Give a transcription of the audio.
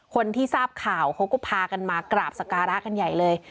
คนที่ทราบข่าวเขาก็พากันมากราบสการะกันใหญ่เลย